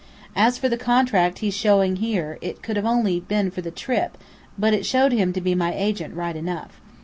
(As for the contract he's been showing here, it could only have been for the trip; but it showed him to be my agent right enough.)